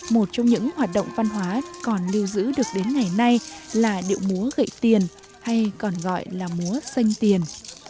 một trong những hoạt động văn hóa còn lưu giữ được đến ngày nay là điệu múa gậy tiền hay còn gọi là múa xanh tiền